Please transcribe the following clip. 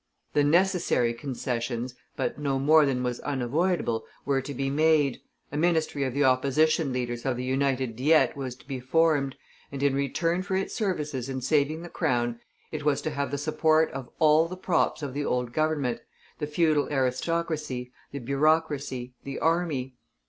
The necessary concessions, but no more than was unavoidable, were to be made, a ministry of the opposition leaders of the United Diet was to be formed, and in return for its services in saving the Crown, it was to have the support of all the props of the old Government, the feudal aristocracy, the bureaucracy, the army.